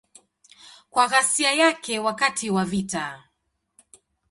Kwa ghasia yake wakati wa vita.